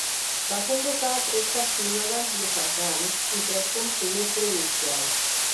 Va convocar tretze sínodes diocesans i tres concilis provincials.